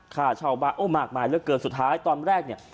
ค่าเช่าบ้านโอ้มากมายเหลือเกินสุดท้ายตอนแรกเนี่ย